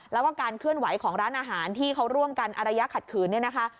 แล้วก็การเคลื่อนไหวของร้านอาหารที่เขาร่วมกันอารยะขัดขืนเนี่ยนะคะ